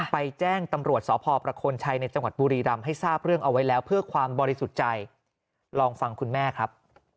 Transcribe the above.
แจ้งตำรวจสพประคลชัยในจังหวัดบุรีรำให้ทราบเรื่องเอาไว้แล้วเพื่อความบริสุทธิ์ใจลองฟังคุณแม่ครับ